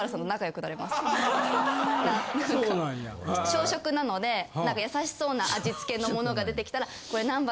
小食なので優しそうな味付けのものが出てきたら。